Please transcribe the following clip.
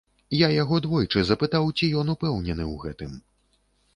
Я яго двойчы запытаў, ці ён упэўнены ў гэтым.